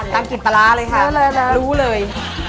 นั่งกินปลาร้าเลยค่ะรู้เลย